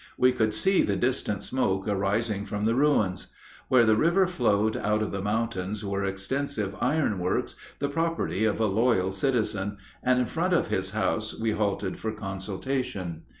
We could see the distant smoke arising from the ruins. Where the river flowed out of the mountains were extensive iron works, the property of a loyal citizen, and in front of his house we halted for consultation.